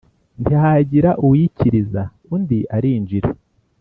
ntihagira uwikiriza undi arinjira